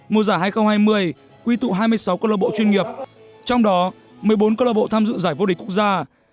mùa giải hai nghìn hai mươi quy tụ hai mươi sáu cơ lợi bộ chuyên nghiệp trong đó một mươi bốn cơ lợi bộ tham dự giải vô địch quốc gia